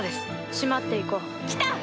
締まって行こう。来た！